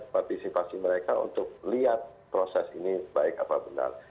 partisipasi mereka untuk lihat proses ini baik apa benar